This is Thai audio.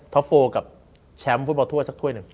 ท็อป๔กับแชมป์ฟุตบอลถั่วสักถ้วยหนึ่ง